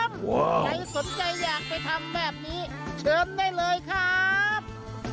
ใครสนใจอยากไปทำแบบนี้เชิญได้เลยครับ